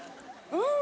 うん。